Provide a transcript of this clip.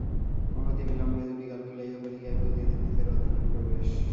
অনতিবিলম্বে দুটি গাল ফুলাইয়া কলিকায় ফুঁ দিতে দিতে রতনের প্রবেশ।